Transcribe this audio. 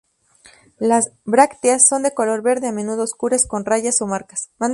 Las brácteas son de color verde, a menudo oscuras con rayas o marcas.